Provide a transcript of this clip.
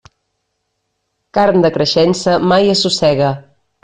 Carn de creixença mai assossega.